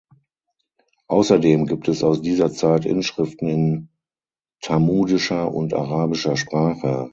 Außerdem gibt es aus dieser Zeit Inschriften in thamudischer und arabischer Sprache.